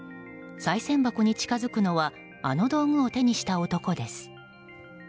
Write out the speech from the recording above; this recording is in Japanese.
さい銭箱に近づくのはあの道具を手にした男です。